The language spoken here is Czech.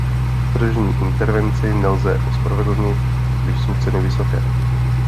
Tržní intervenci nelze ospravedlnit, když jsou ceny vysoké.